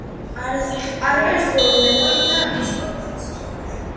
არაფერს გვეუბნება ისტორიაც.